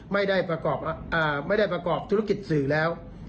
ไม่ได้ประกอบธุรกิจสื่อแล้ว